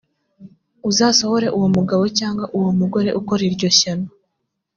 uzasohore uwo mugabo cyangwa uwo mugore ukora iryo shyano,